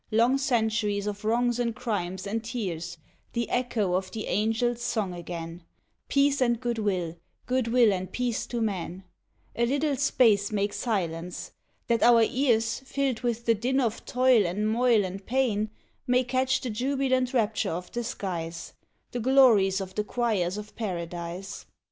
Long centuries of wrongs, and crimes, and tears, The echo of the angel's song again, Peace and good will, good will and peace to men, A little space make silence, that our ears, Filled with the din of toil and moil and pain May catch the jubilant rapture of the skies, The glories of the choirs of paradise.